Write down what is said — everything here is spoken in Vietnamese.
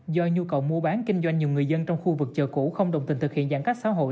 do nhu cầu mua bán kinh doanh nhiều người dân trong khu vực chợ cũ không đồng tình thực hiện giãn cách xã hội